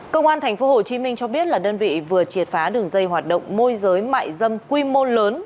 công an tp hcm cho biết là đơn vị vừa triệt phá đường dây hoạt động môi giới mại dâm quy mô lớn